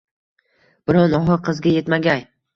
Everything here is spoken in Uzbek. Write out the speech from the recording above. Biron ohi qizga yetmagay